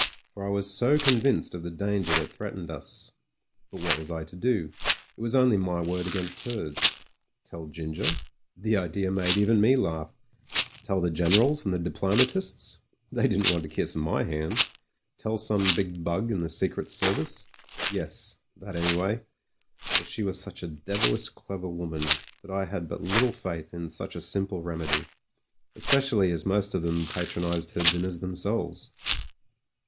For I was so convinced of the danger that threatened us. But what was I to do? It was only my word against hers. Tell Ginger? The idea made even me laugh. Tell the generals and the diplomatists ? They didn't want to kiss my hand. Tell some big bug in the Secret Service? Yes — ^that anyway; but she was such a devilish clever woman, that I had but little faith in such a simple remedy, especially as most of them patronised her dinners themselves.